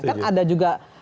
kan ada juga